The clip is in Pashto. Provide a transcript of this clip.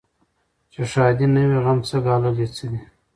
چي ښادي نه وي غم څه ګالل یې څه دي